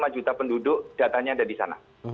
dua ratus enam puluh lima juta penduduk datanya ada di sana